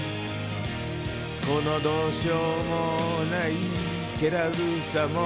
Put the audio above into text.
このどうしようもない気だるさも